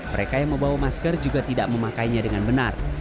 mereka yang membawa masker juga tidak memakainya dengan benar